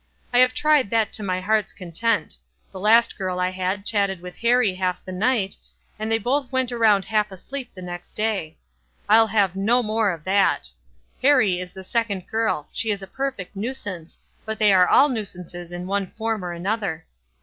"I have tried that to my heart's content. The last girl I had chatted with Harrie half the night, and they both went around half asleep the next day. I'll have no more of that. Harrie is the second girl ; she is a perfect nuisance ; but they are all nuisances in one form or other."